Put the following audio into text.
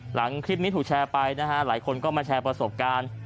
หลังคลิปนี้ถูกแชร์ไปนะฮะหลายคนก็มาแชร์ประสบการณ์